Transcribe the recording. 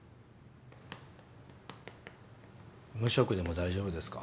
無職でも大丈夫ですか？